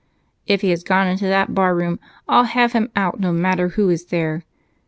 "If he has gone into that barroom, I'll have him out, no matter who is there!"